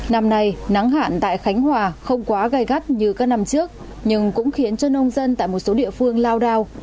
năm nay nắng hạn tại khánh hòa không quá gai gắt như các năm trước nhưng cũng khiến cho nông dân tại một số địa phương lao đao